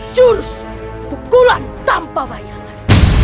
jurus pukulan tanpa bayangan